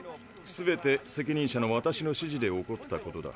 すべて責任者の私の指示で起こったことだ。